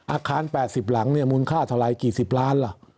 อาคารแปดสิบหลังเนี่ยมูลค่าทะลายกี่สิบล้านเหรอ